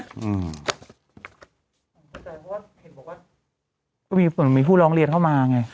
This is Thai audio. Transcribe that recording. เข้าใจเพราะว่าเห็นบอกว่าก็มีเหมือนมีผู้ร้องเรียนเข้ามาไง